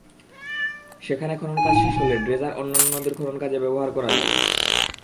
সেখানে খননকাজ শেষ হলে ড্রেজার অন্যান্য নদীর খননকাজে ব্যবহার করা যাবে।